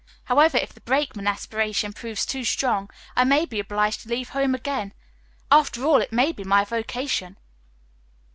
However, if the brakeman aspiration proves too strong I may be obliged to leave home again. After all, it may be my vocation."